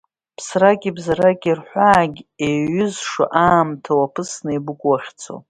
Ԥсраки бзараки рҳәаагь еиҩызшо аамҭа уаԥысны иабыкәу уахьцо.